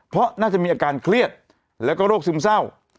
เพราะน่าจะมีอาการเครียดแล้วก็โรคซึมเศร้า